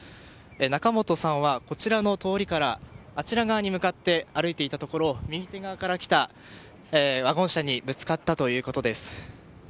仲本さんは、こちらの通りからあちら側に向かって歩いていたところ右手側から来たワゴン車にぶつかったということです。